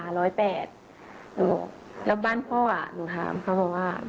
หนูบอกแล้วบ้านพ่อหนูถามเขาบอกว่า